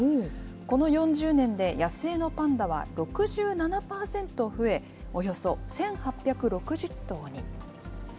この４０年で野生のパンダは６７％増え、およそ１８６０頭に。